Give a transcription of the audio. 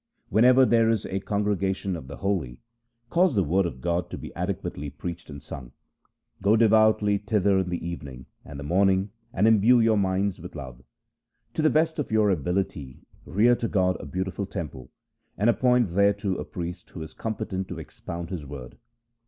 When ever there is a congregation of the holy, cause the word of God to be adequately preached and sung. Go devoutly thither in the evening and the morning, and imbue your minds with love. To the best of your ability rear to God a beautiful temple, and appoint thereto a priest who is competent to ex pound His word.